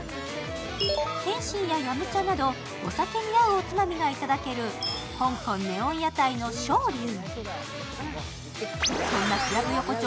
点心やヤムチャなどお酒に合うおつまみがいただける香港ネオン屋台の小龍。